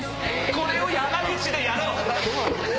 これを山口でやろう！